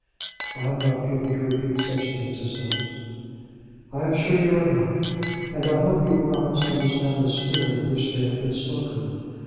"I am not given to repeat such things as those." "I'm sure you are not. And I hope you will not misunderstand the spirit in which they have been spoken.